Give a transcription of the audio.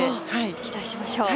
期待しましょう。